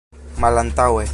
malantaŭe